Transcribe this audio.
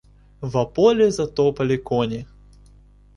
Во поле затопали кони.